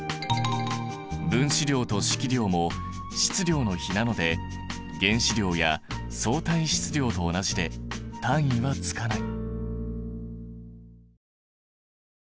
分子量と式量も質量の比なので原子量や相対質量と同じで単位はつかない。